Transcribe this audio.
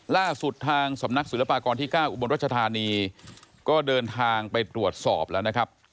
ล่าสุดทางสำนักศิลปากรที่๙อุบลรัชธานีก็เดินทางไปตรวจสอบแล้วนะครับ